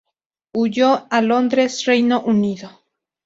Huyó a Londres, Reino Unido.